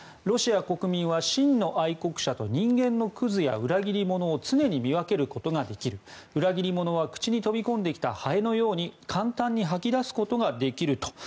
ロシア国民は真の愛国者と人間のくずや裏切り者を常に見分けることができる裏切り者は口に飛び込んできたハエのように簡単に吐き出すことができると。